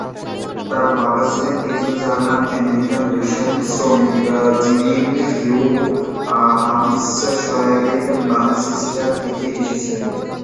তার বাবা ছিলেন একজন জার্মান আমেরিকান রেশম শ্রমিক, যিনি নিউ হ্যাম্পশায়ারের ম্যানচেস্টার থেকে এসেছিলেন।